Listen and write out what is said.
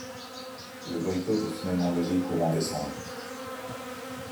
Le boycott est finalement levé courant décembre.